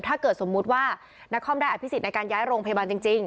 ถ้าเกิดสมมุติว่านักคอมได้อภิษฎในการย้ายโรงพยาบาลจริง